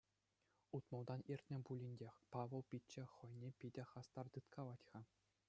Утмӑлтан иртнӗ пулин те, Павӑл пичче хӑйне питӗ хастар тыткалать-ха.